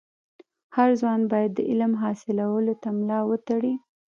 هر ځوان باید د علم حاصلولو ته ملا و تړي.